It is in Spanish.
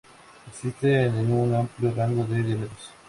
Existen en un amplio rango de diámetros.